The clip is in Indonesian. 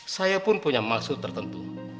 saya pun punya maksud tertentu